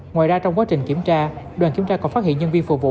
ngoài ra trong quá trình kiểm tra đoàn kiểm tra còn phát hiện nhân viên phục vụ